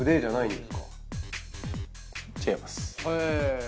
はい。